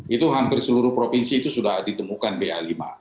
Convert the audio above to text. itu hampir seluruh provinsi itu sudah ditemukan ba lima